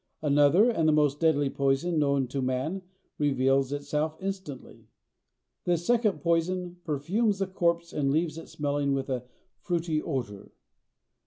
Another, and the most deadly poison known to man reveals itself instantly. This second poison perfumes the corpse and leaves it smelling with a fruity odor.